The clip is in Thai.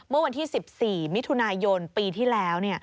เมื่อวันที่๑๔มิถุนายนปีที่แล้ว